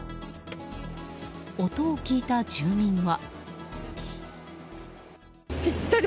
音を聞いた住民は。